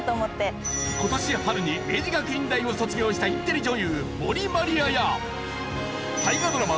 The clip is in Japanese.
今年春に明治学院大を卒業したインテリ女優森マリアや大河ドラマ